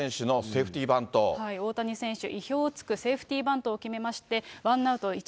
大谷選手、意表をつくセーフティーバントを決めまして、ワンアウト１、